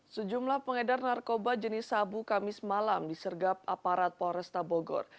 sejumlah pengedar narkoba jenis sabu kamis malam disergap aparat polresta bogor